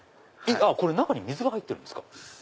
これ中に水が入ってるんですか？